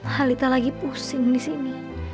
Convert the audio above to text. halita lagi pusing di sini